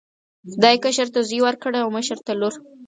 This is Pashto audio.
خدای کشر ته زوی ورکړ او مشر ته لور.